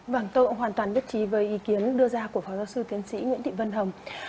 vâng tôi hoàn toàn nhất trí với ý kiến đưa ra của phó giáo sư tiến sĩ nguyễn thị vân hồng